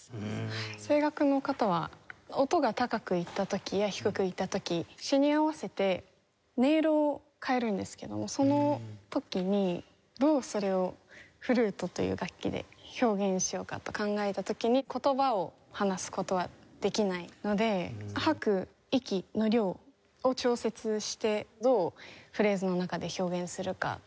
声楽の方は音が高くいった時や低くいった時詞に合わせて音色を変えるんですけどもその時にどうそれをフルートという楽器で表現しようかと考えた時に言葉を話す事はできないので吐く息の量を調節してどうフレーズの中で表現するか。